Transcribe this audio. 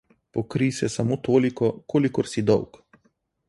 Pokrij se samo toliko, kolikor si dolg.